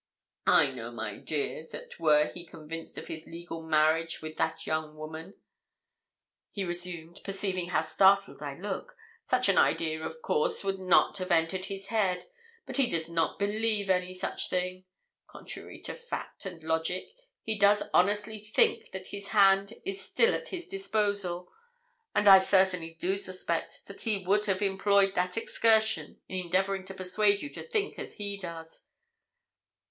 'I know, my dear, that were he convinced of his legal marriage with that young woman,' he resumed, perceiving how startled I looked, 'such an idea, of course, would not have entered his head; but he does not believe any such thing. Contrary to fact and logic, he does honestly think that his hand is still at his disposal; and I certainly do suspect that he would have employed that excursion in endeavouring to persuade you to think as he does.